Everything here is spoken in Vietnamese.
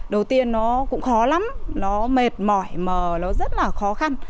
đầu tiên nó cũng khó lắm nó mệt mỏi mà nó rất là khó khăn